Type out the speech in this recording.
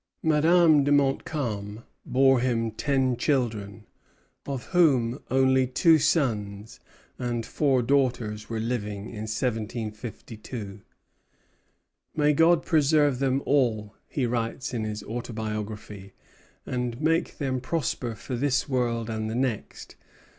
Madame de Montcalm bore him ten children, of whom only two sons and four daughters were living in 1752. "May God preserve them all," he writes in his autobiography, "and make them prosper for this world and the next!